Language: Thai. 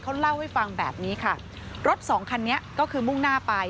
เขาเล่าให้ฟังแบบนี้ค่ะรถสองคันนี้ก็คือมุ่งหน้าไป